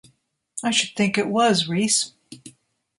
I should think it was, Rhys.